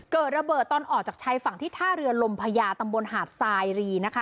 เกิดระเบิดตอนออกจากชายฝั่งที่ท่าเรือลมพญาตำบลหาดทรายรีนะคะ